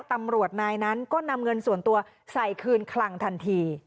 ตำรวจนายนั้นก็นำเงินส่วนตัวใส่คืนคลังทันที